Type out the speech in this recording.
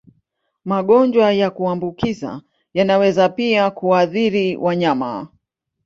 Magonjwa ya kuambukiza yanaweza pia kuathiri wanyama.